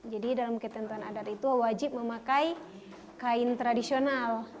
jadi dalam ketentuan adat itu wajib memakai kain tradisional